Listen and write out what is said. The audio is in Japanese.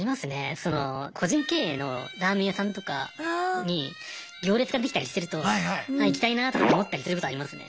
その個人経営のラーメン屋さんとかに行列ができたりしてるとあ行きたいなとかって思ったりすることありますね。